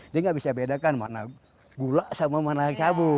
dia tidak bisa dibedakan mana gula sama mana cabut